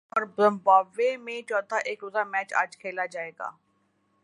پاکستان اور زمبابوے میں چوتھا ایک روزہ میچ اج کھیلا جائے گا